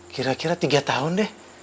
kira kira tiga tahun deh